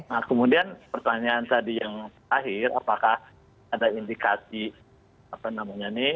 nah kemudian pertanyaan tadi yang terakhir apakah ada indikasi apa namanya nih